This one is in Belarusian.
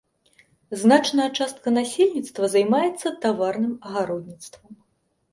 Значная частка насельніцтва займаецца таварным агародніцтвам.